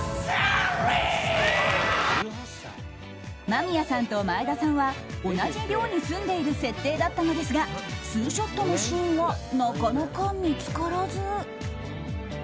間宮さんと前田さんは同じ寮に住んでいる設定だったんですがツーショットのシーンはなかなか見つからず。